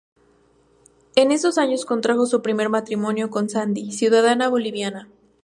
En esos años contrajo su primer matrimonio con Sandy, ciudadana boliviana.